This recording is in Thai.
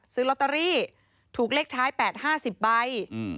ซื้อลอตเตอรี่ถูกเลขท้าย๘๕๐ใบ